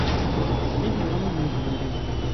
Postsignojn mi vidis.